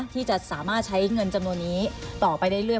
ที่จะสามารถใช้เงินจำนวนนี้ต่อไปได้เรื่อย